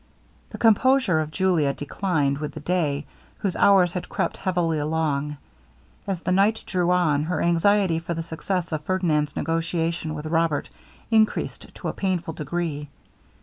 The composure of Julia declined with the day, whose hours had crept heavily along. As the night drew on, her anxiety for the success of Ferdinand's negociation with Robert increased to a painful degree.